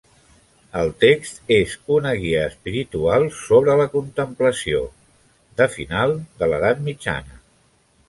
El text és una guia espiritual sobre la contemplació de final de l'Edat mitjana.